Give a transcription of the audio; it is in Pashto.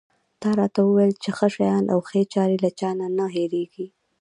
تا راته وویل چې ښه شیان او ښې چارې له چا نه نه هېرېږي.